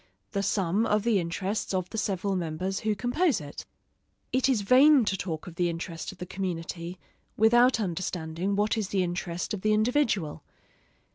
The sum of the interests of the several members who compose it. It is vain to talk of the interest of the community, without understanding what is the interest of the individual.